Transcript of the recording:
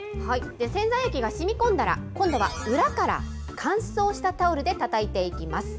洗剤液がしみこんだら、今度は裏から、乾燥したタオルでたたいていきます。